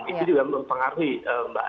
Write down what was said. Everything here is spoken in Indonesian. itu juga mempengaruhi mbak